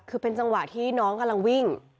เวลาที่น้องกำลังวิ่ง